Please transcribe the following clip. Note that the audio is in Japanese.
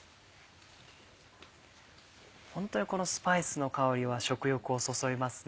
ホントにこのスパイスの香りは食欲をそそりますね。